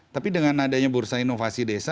tapi dengan adanya bursa inovasi desa